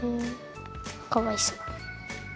かわいそう。